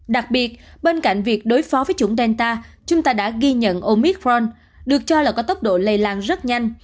đặc biệt bên cạnh việc đối phó với chủng delta chúng ta đã ghi nhận omithron được cho là có tốc độ lây lan rất nhanh